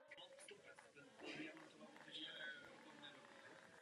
Vzápětí vstoupil do Francouzské cizinecké legie.